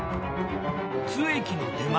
津駅の手前